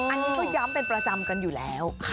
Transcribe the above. อันนี้ก็ย้ำเป็นประจำกันอยู่แล้ว